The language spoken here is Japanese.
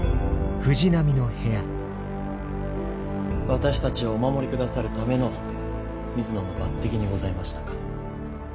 私たちをお守り下さるための水野の抜てきにございましたか。